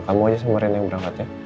kamu aja kemarin yang berangkat ya